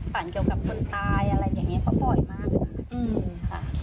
เกี่ยวกับคนตายอะไรอย่างนี้เขาบ่อยมากค่ะ